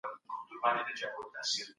دوی فکر کاوه چی پرمختګ يوازي په پيسو دی.